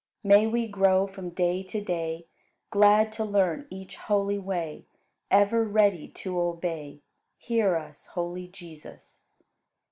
May we grow from day to day, Glad to learn each holy way, Ever ready to obey; Hear us, holy Jesus!